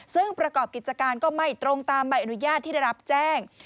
ซึ่งประกอบกิจการก็ไม่ตรงตามใบอนุญาตที่ได้รับแจ้ง